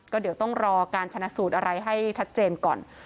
ก็เดี๋ยวต้องรอการชนะสูตรอะไรให้ชัดเจนก่อน